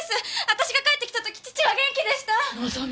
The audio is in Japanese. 私が帰ってきた時父は元気でした！望。